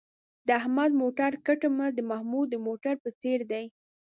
د احمد موټر کټ مټ د محمود د موټر په څېر دی.